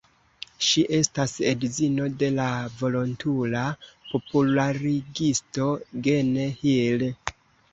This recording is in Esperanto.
Ŝi estas edzino de la volontula popularigisto "Gene Hill".